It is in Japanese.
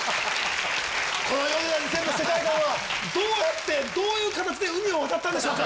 このヨネダ２０００の世界観はどうやってどういう形で海を渡ったんでしょうか？